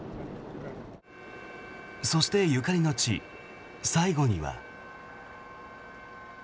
そして、ゆかりの地最後には。